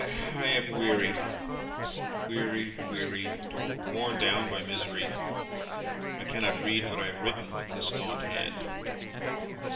"I am weary, weary, weary worn down by misery. I cannot read what I have written with this gaunt hand.